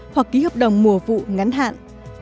hoặc ký hợp đồng mùa vụ ngắn hạn